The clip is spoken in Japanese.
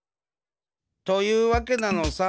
というわけなのさ。